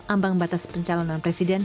ambang batas pencalonan presiden